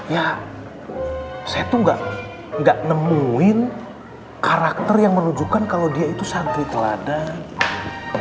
ya saya tuh gak nemuin karakter yang menunjukkan kalau dia itu santri teladan